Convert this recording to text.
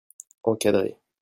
encadré.